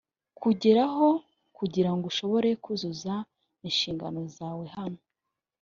kugeraho kugira ngo ushobore kuzuza inshingano zawe hano